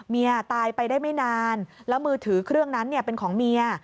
เมียตายไปได้ไม่นานแล้วมือถือเครื่องนั้นเป็นของเมีย